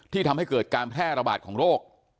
ทำให้เกิดการแพร่ระบาดของโรค